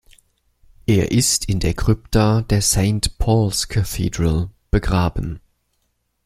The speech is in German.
Er ist in der Krypta der St Paul’s Cathedral begraben.